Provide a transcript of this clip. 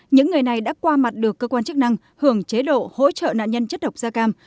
những người này đã qua mặt được cơ quan chức năng hưởng chế độ hỗ trợ nạn nhân chất độc da cam